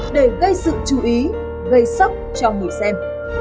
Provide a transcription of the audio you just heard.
để gây sự chú ý gây sốc cho người xem